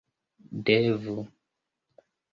devu